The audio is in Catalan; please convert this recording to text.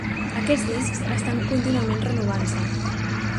Aquests discs estan contínuament renovant-se.